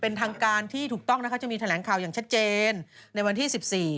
เป็นทางการที่ถูกต้องนะคะจะมีแถลงข่าวอย่างชัดเจนในวันที่๑๔